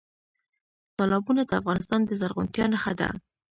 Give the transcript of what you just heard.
تالابونه د افغانستان د زرغونتیا نښه ده.